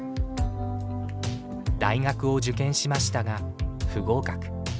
大学を受験しましたが不合格。